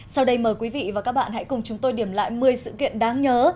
sau đây mời quý vị và các bạn hãy cùng chúng tôi điểm lại một mươi sự kiện đáng nhớ